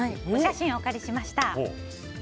お写真をお借りしました。